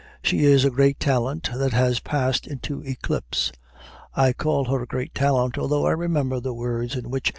She is a great talent that has passed into eclipse. I call her a great talent, although I remember the words in which M.